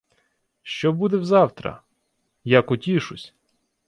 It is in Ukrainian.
— Що буде взавтра? Як утішусь?